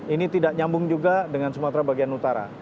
ini tidak nyambung juga dengan sumatera bagian utara